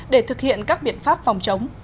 để thực hiện các biện pháp phòng chống